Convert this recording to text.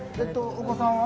お子さんは？